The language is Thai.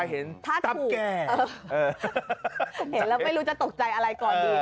เห็นแล้วไม่รู้จะตกใจอะไรก่อนดี